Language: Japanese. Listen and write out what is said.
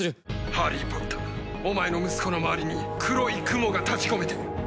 ハリー・ポッターお前の息子の周りに黒い雲が立ち込めている。